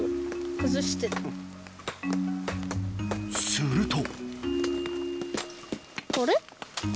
すると。